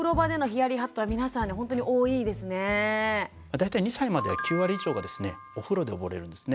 大体２歳までは９割以上がですねお風呂で溺れるんですね。